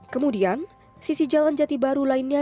kemudian sisi jalan jati baru lainnya